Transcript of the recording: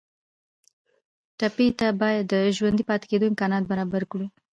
ټپي ته باید د ژوندي پاتې کېدو امکانات برابر کړو.